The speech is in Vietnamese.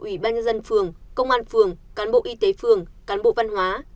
ủy ban nhân dân phường công an phường cán bộ y tế phường cán bộ văn hóa